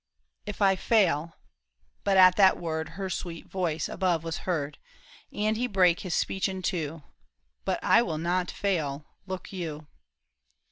" If I fail—" but at that word Her sweet voice above was heard, And he brake his speech in two ;—" But I will not fail, look you."